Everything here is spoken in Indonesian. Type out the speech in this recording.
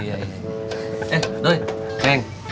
eh doi keng